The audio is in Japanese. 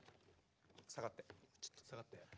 下がってちょっと下がって。